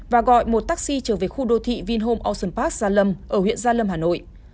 và gọi một taxi trở về khu đô thị vinhome ocean park gia lâm ở huyện gia lâm hà nội